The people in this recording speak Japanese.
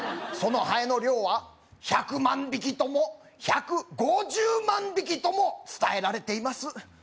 そのハエの量は１００万匹とも１５０万匹とも伝えられています